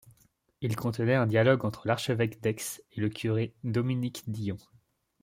Il contenait un dialogue entre l’archevêque d’Aix et le curé Dominique Dillon.